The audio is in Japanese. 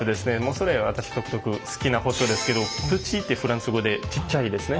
それ私好きな包丁ですけどペティってフランス語でちっちゃいですね。